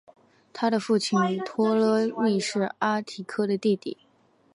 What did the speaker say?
他的父亲托勒密是安提柯的弟弟。